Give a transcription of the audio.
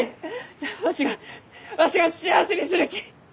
わしがわしが幸せにするき！